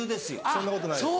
そんなことないです。